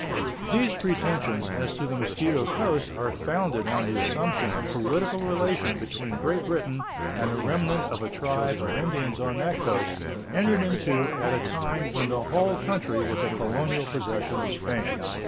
These pretensions as to the Mosquito Coast are founded on the assumption of political relation between Great Britain and the remnant of a tribe of Indians on that coast, entered into at a time when the whole country was a colonial possession of Spain.